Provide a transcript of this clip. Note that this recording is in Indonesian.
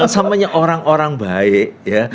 samanya orang orang baik ya